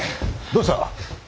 どうした。